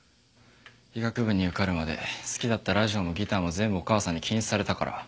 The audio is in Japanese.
医学部に受かるまで好きだったラジオもギターも全部お母さんに禁止されたから。